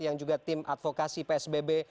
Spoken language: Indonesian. yang juga tim advokasi psbb